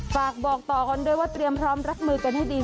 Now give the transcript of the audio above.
ฝากบอกต่อกันด้วยว่าเตรียมพร้อมรับมือกันให้ดี